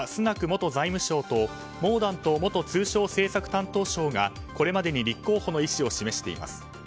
元財務相とモーダント元通商政策担当相がこれまでに立候補の意思を示しています。